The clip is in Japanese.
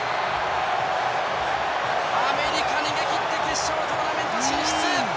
アメリカ、逃げきって決勝トーナメント進出！